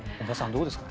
どうですか